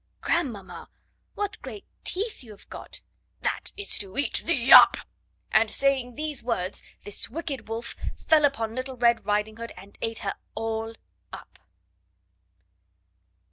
"Grandmamma, what great teeth you have got!" "That is to eat thee up." And, saying these words, this wicked wolf fell upon Little Red Riding Hood, and ate her all up.